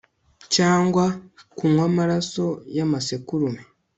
cyangwa kunywa amaraso y'amasekurume